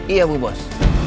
iya bu bos